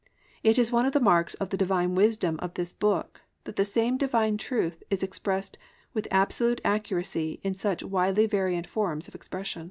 It is one of the marks of the Divine wisdom of this book that the same Divine truth is expressed with absolute accuracy in such widely variant forms of expression.